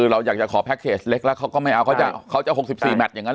เราอยากจะขอเล็กแล้วเขาก็ไม่เอาเขาจะเขาจะหกสิบสี่อย่างนั้น